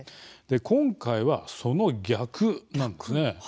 今回は、その逆なんです。